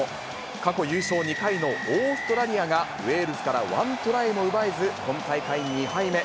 過去優勝２回のオーストラリアが、ウェールズから１トライも奪えず、今大会２敗目。